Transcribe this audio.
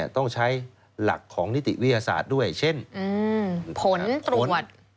ต้องใช้หลักของนิติวิทยาศาสตร์ด้วยเช่นผลตรวจ